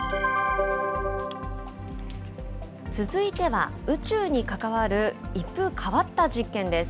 続いては宇宙に関わる一風変わった実験です。